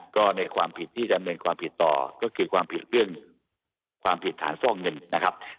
ก็ในความผิดที่ดำเนินความผิดต่อก็คือความผิดเรื่องความผิดฐานฟอกเงินนะครับ